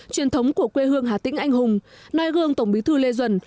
truyền thống của quê hương hà tĩnh anh hùng nòi gương tổng bí thư lê duần